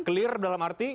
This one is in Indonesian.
clear dalam arti